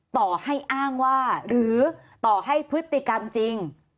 ต่อให้อ้างว่าหรือต่อให้พฤติกรรมจริง